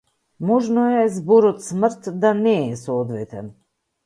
Можно е зборот смрт да не е соодветен.